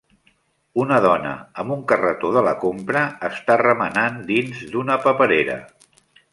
una dona amb un carretó de la compra està remenant dins d'una paperera.